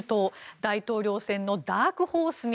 大統領選のダークホースに。